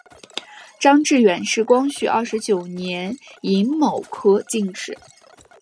张智远是光绪二十九年癸卯科进士。